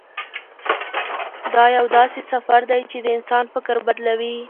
دا یو داسې سفر دی چې د انسان فکر بدلوي.